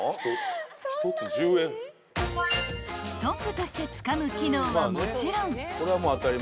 ［トングとしてつかむ機能はもちろん］